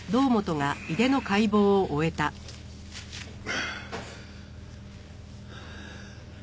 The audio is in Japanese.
はあ。